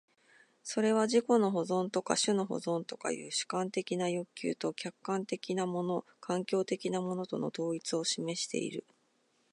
それは自己の保存とか種の保存とかという主観的な欲求と客観的なもの環境的なものとの統一を示している。